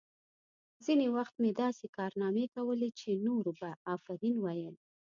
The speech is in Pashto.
ځینې وخت مې داسې کارنامې کولې چې نورو به آفرین ویل